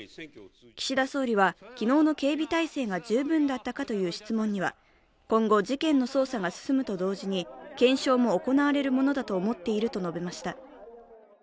岸田総理は昨日の警備態勢が十分だったかという質問には今後、事件の捜査が進むと同時に検証も行われるものだと思っていると述べました。